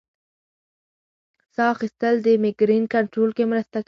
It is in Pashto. ساه اخیستل د مېګرین کنټرول کې مرسته کوي.